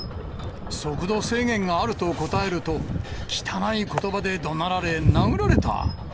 速度制限があると答えると、汚いことばでどなられ、殴られた。